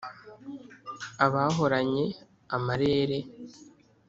Abahoranye amarere